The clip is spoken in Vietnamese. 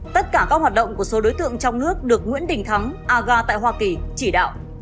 tất cả các hoạt động của số đối tượng trong nước được nguyễn đình thắng aga tại hoa kỳ chỉ đạo